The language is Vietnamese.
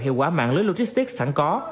hiệu quả mạng lưới logistics sẵn có